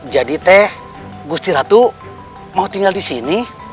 jadi teh gusti ratu mau tinggal di sini